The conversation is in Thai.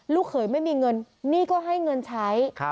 เขยไม่มีเงินหนี้ก็ให้เงินใช้